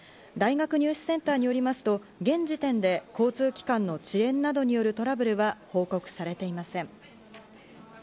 大学入試センターによりますと、現時点で交通機関の遅延等によるトラブルは報告されていません。